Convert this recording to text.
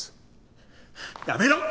やめろ！